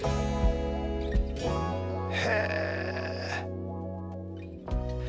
へえ。